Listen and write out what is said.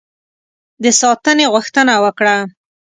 د ساتنې غوښتنه وکړه.